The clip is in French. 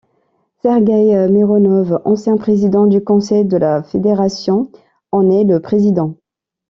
Sergueï Mironov, ancien président du Conseil de la Fédération, en est le président.